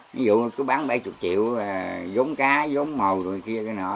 ví dụ cứ bán bảy mươi triệu giống cá giống màu rồi kia nọ